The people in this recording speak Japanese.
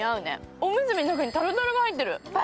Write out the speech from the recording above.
おむすびの中にタルタルが入ってる。